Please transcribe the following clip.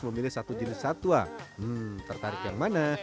kalau milih satu jenis satwa tertarik yang mana